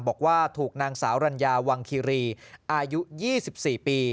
บอกว่าถูกนางสาวรัญญาวังคิรีอายุยี่สิบสี่ปี